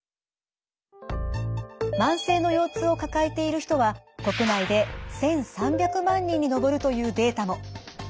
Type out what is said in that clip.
慢性の腰痛を抱えている人は国内で１３００万人に上るというデータも。